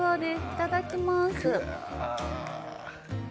いただきます。